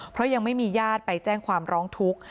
เพราะยังไม่มีญาติไปแจ้งความร้องทุกข์